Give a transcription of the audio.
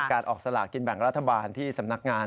ออกสลากินแบ่งรัฐบาลที่สำนักงาน